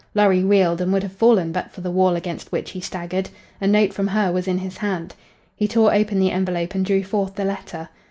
Lorry reeled and would have fallen but for the wall against which he staggered. A note from her was in his hand. He tore open the envelope and drew forth the letter.